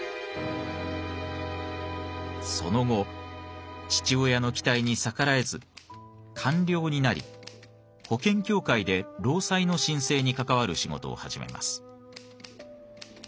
その後父親の期待に逆らえず官僚になり保険協会で労災の申請に関わる仕事を始めます。